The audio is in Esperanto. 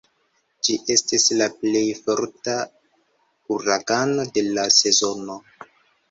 Ĝi estis la plej forta uragano de la sezono.